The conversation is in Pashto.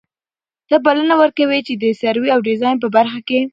ته بلنه ور کوي چي د سروې او ډيزاين په برخه کي